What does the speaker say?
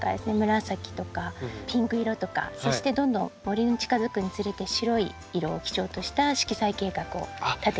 紫とかピンク色とかそしてどんどん森に近づくにつれて白い色を基調とした色彩計画を立てて。